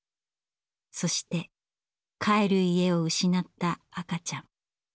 そして「帰る家」を失った赤ちゃん。